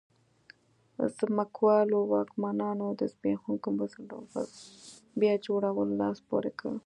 ځمکوالو واکمنانو د زبېښونکو بنسټونو پر بیا جوړولو لاس پورې کړ.